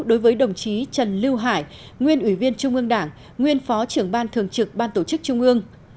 đối với đồng chí trần lưu hải nguyên ủy viên trung ương đảng nguyên phó trưởng ban thường trực ban tổ chức trung ương